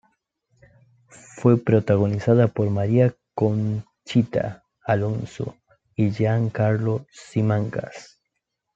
Fue protagonizada por María Conchita Alonso y Jean Carlo Simancas.